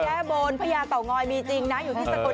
ตัดวินโดออกไปเลยครับ